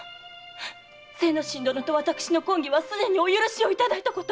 精之進殿と私の婚儀は既にお許しをいただいたこと。